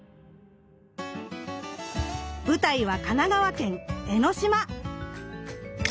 舞台は神奈川県江の島。